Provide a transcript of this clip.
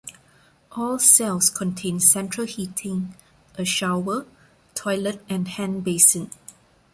All cells contain central heating, a shower, toilet and hand basin.